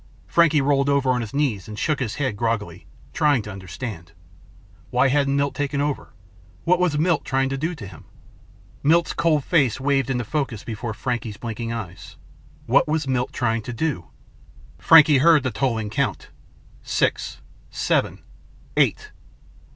Frankie rolled over on his knees and shook his head groggily, trying to understand. Why hadn't Milt taken over? What was Milt trying to do to him? Milt's cold face waved into focus before Frankie's blinking eyes. What was Milt trying to do? Frankie heard the tolling count six, seven, eight.